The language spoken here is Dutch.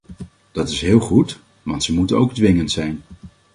Dat is heel goed, want ze moeten ook dwingend zijn.